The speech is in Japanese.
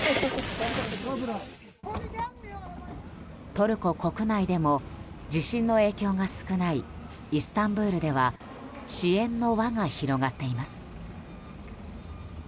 トルコ国内でも地震の影響が少ないイスタンブールでは支援の輪が広がっています。